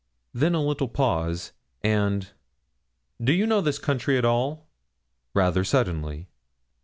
Then a little pause, and 'Do you know this country at all?' rather suddenly.